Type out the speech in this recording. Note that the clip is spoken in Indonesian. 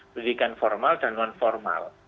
pendidikan formal dan non formal